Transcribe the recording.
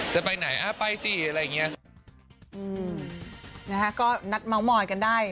จะไปไหนอ่ะไปซิอะไรอย่างเงี้ย